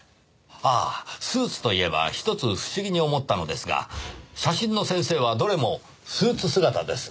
ああスーツといえばひとつ不思議に思ったのですが写真の先生はどれもスーツ姿です。